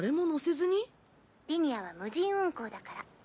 リニアは無人運行だから。